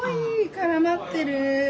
絡まってる！